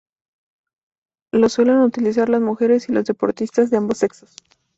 Lo suelen utilizar las mujeres y los deportistas de ambos sexos.